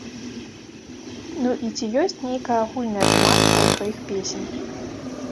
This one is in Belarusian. Ну і ці ёсць нейкая агульная тэматыка ў тваіх песень?